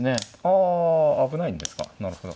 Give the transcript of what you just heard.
あ危ないんですかなるほど。